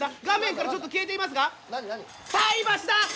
画面からちょっと消えていますが菜箸だ！